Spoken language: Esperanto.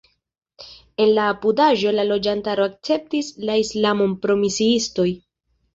En la apudaĵo la loĝantaro akceptis la islamon pro misiistoj.